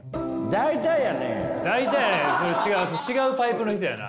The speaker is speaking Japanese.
大体それ違うパイプの人やな！